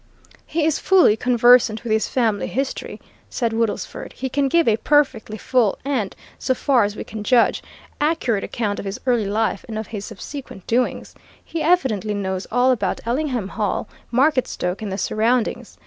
"He is fully conversant with his family history," said Woodlesford. "He can give a perfectly full and so far as we can judge accurate account of his early life and of his subsequent doings. He evidently knows all about Ellingham Hall, Marketstoke and the surroundings.